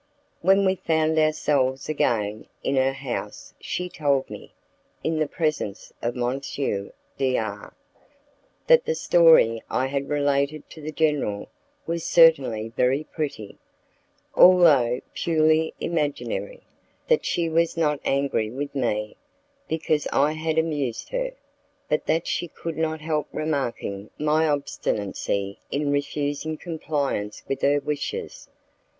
When we found ourselves again in her house she told me, in the presence of M. D R , that the story I had related to the general was certainly very pretty, although purely imaginary, that she was not angry with me, because I had amused her, but that she could not help remarking my obstinacy in refusing compliance with her wishes.